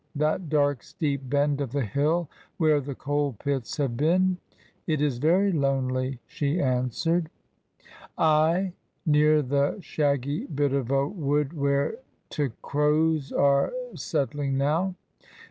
" That dark steep bend of the hill where the coal pits have been ? It is very lonely," she answered, " Ay ; near the shaggy bit of a wood where t' crows are settling now.